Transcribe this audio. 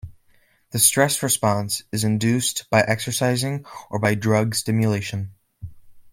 The stress response is induced by exercise or by drug stimulation.